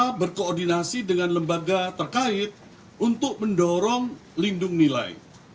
kita berkoordinasi dengan lembaga terkait untuk mendorong lindung nilai